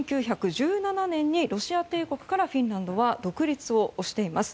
１９１７年にロシア帝国からフィンランドは独立をしています。